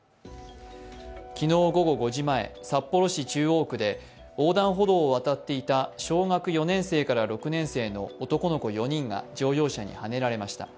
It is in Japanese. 昨日午後５時前、札幌市中央区で横断歩道を渡っていた小学４年生から６年生の男の子４人が乗用車にはねられました。